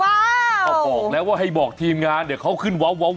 บอกแล้วว่าให้บอกทีมงานเดี๋ยวเขาขึ้นว้าวว้าวให้